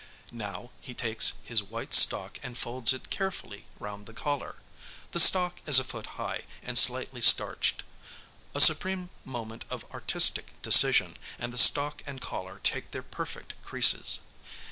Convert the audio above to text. Now he takes his white stock and folds it carefully round the collar; the stock is a foot high and slightly starched. A supreme moment of artistic decision, and the stock and collar take their perfect creases.